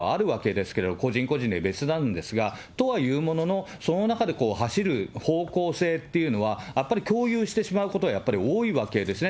このときに、家族っていうのは、もちろん一人一人は個性はあるわけですけれども、個人個人で別なんですが、とはいうものの、その中で走る方向性っていうのは、やっぱり共有してしまうことがやっぱり多いわけですね。